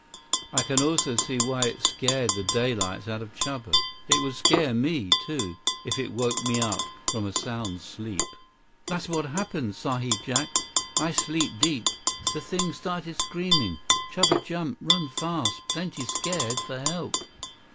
I can also see why it scared the daylights out of Chuba. It would scare me, too, if it woke me from a sound sleep." "That's what happen, Sahib Jack. I sleep deep. This thing start screaming. Chuba jump, run fast, plenty scared, for help."